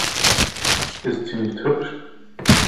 Ist sie nicht hübsch?